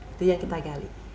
itu yang kita gali